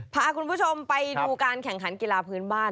พาคุณผู้ชมไปดูการแข่งขันกีฬาพื้นบ้าน